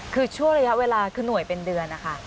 คือชั่วระยะเวลาขนวยเป็นเดือนนะคะ